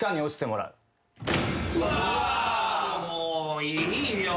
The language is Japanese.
もういいよ。